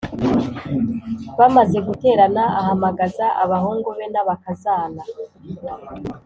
Bamaze guterana ahamagaza abahungu be, n’abakazana